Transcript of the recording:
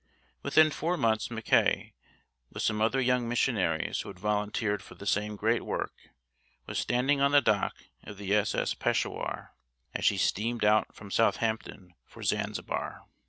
Within four months Mackay, with some other young missionaries who had volunteered for the same great work, was standing on the deck of the S.S. Peshawur as she steamed out from Southampton for Zanzibar.